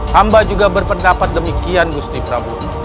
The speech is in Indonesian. hamba juga berpendapat demikian usti prabu